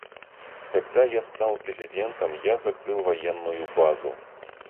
Когда я стал президентом, я закрыл военную базу.